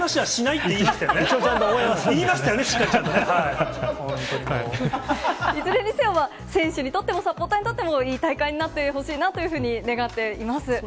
いずれにせよ、選手にとっても、サポーターにとっても、いい大会になってほしいなというふうに願っています。